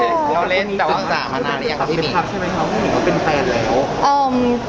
มิ่งว่าเป็นแฟนแล้ว